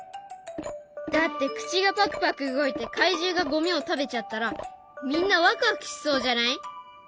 だって口がパクパク動いて怪獣がゴミを食べちゃったらみんなワクワクしそうじゃない？